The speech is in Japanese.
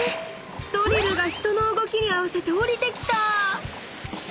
⁉ドリルが人の動きに合わせておりてきた！